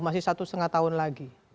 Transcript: masih satu setengah tahun lagi